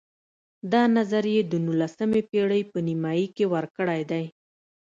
دا نظر یې د نولسمې پېړۍ په نیمایي کې ورکړی دی.